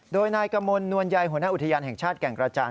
โดยนายกมลนวลใยหัวหน้าอุทยานแห่งชาติแก่งกระจาน